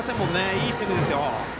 いいスイングですよ。